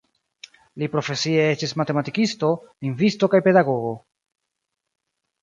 Li profesie estis matematikisto, lingvisto kaj pedagogo.